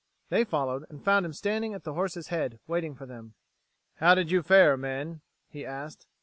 They followed, and found him standing at the horse's head, waiting for them. "How did you fare, men?" he asked.